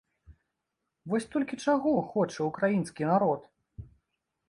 Вось толькі чаго хоча ўкраінскі народ?